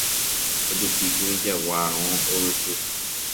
Ojupíkuri Jaguarõ yvyty.